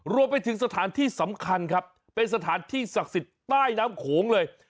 รวมไปถึงสถานที่สำคัญครับเป็นสถานที่ศักดิ์สิทธิ์ใต้น้ำโขงเลย